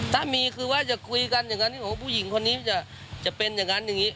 ถ้ามีคือว่าจะคุยกันอย่างนั้นบอกว่าผู้หญิงคนนี้จะเป็นอย่างนั้นอย่างนี้